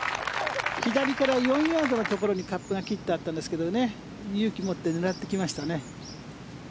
左から４ヤードのところにカップが切ってあったんですけど勇気を持って狙ってきましたよね。